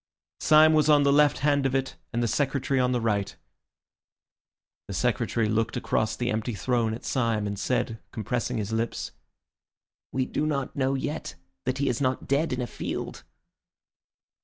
Syme was on the left hand of it and the Secretary on the right. The Secretary looked across the empty throne at Syme, and said, compressing his lips— "We do not know yet that he is not dead in a field."